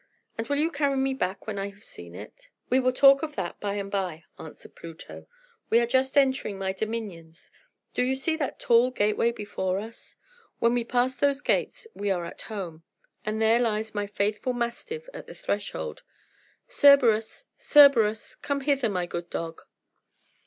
"And will you carry me back when I have seen it?" "We will talk of that by and by," answered Pluto. "We are just entering my dominions. Do you see that tall gateway before us? When we pass those gates, we are at home. And there lies my faithful mastiff at the threshold. Cerberus! Cerberus! Come hither, my good dog!"